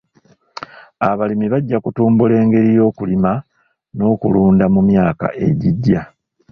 Abalimi bajja kutumbula engeri y'okulima n'okulunda mu myaka egijja.